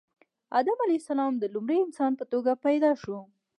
آدم علیه السلام د لومړي انسان په توګه پیدا شو